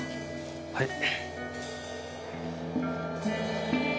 はい。